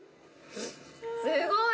すごい。